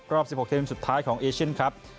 รอบ๑๖ทีมสุดท้ายของเอเชียนครับ